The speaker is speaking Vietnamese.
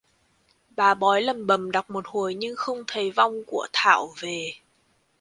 Bà bói làm bầm đọc một hồi nhưng không thấy vong của Thảo về